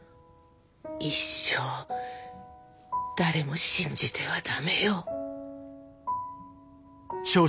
一生誰も信じてはダメよ。